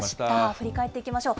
振り返っていきましょう。